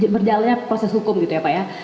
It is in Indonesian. berjalannya proses hukum gitu ya pak ya